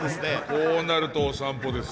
こうなるとお散歩です。